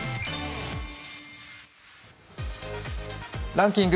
ランキング